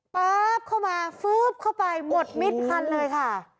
ป๊าบเข้ามาฟื๊บเข้าไปหมดมิดคันเลยค่ะ